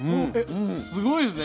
すごいですね。